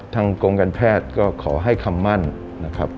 ทางกรมการแพทย์ก็ขอให้คำมั่นนะครับ